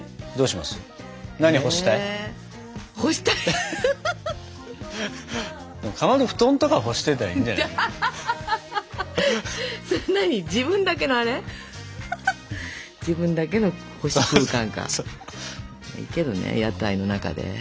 まあいいけどね屋台の中でね